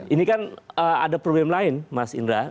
ini kan ada problem lain mas indra